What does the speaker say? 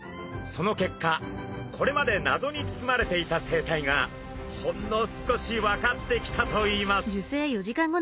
その結果これまで謎に包まれていた生態がほんの少し分かってきたといいます。